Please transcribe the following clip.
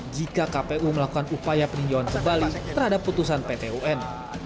jika kpu melakukan upaya peninjauan kembali terhadap putusan pt un